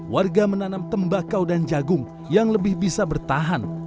warga menanam tembakau dan jagung yang lebih bisa bertahan